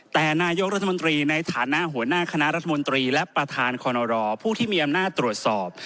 แต่นายกรัฐมนตรีในฐานะหัวหน้าคณะรัฐมนตรีและประธานคอนรอผู้ที่มีอำนาจตรวจสอบ